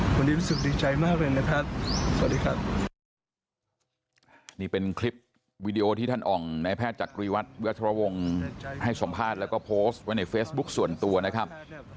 วันนี้รู้สึกดีใจมากเลยนะครับสวัสดีครับ